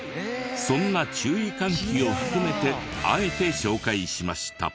そんな注意喚起を含めてあえて紹介しました。